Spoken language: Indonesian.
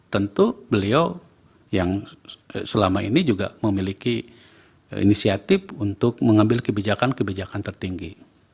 tentu beliau yang selama ini juga memiliki inisiatif untuk mengambil kebijakan kebijakan tertinggi